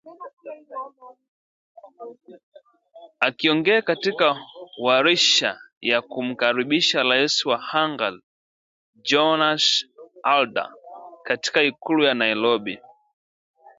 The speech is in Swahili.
Akiongea katika warsha ya kumkaribisha rais wa Hungary János Áder katika ikulu ya Nairobi